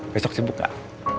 besok sibuk gak